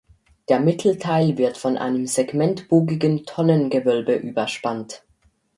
Der Mittelteil wird von einem segmentbogigen Tonnengewölbe überspannt.